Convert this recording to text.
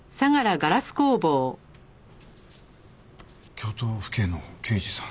京都府警の刑事さん。